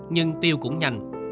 nhưng tiêu cũng nhanh